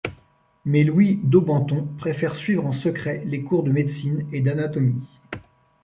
Mais Louis Daubenton préfère suivre en secret les cours de médecine et d’anatomie.